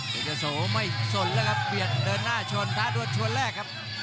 เป็นเจ้าโสว์ไม่สนแล้วครับเบียดเดินหน้าชวนท่าตัวชวนแรกครับ